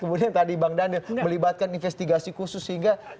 kemudian tadi bang daniel melibatkan investigasi khusus sehingga